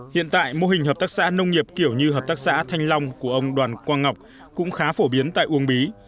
hiện tại mô hình hợp tác xã nông nghiệp kiểu như hợp tác xã thanh long của ông đoàn quang ngọc cũng khá phổ biến tại uông bí